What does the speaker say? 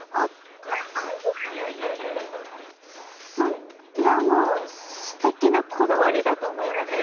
いやもうすてきなこだわりだと思いますね。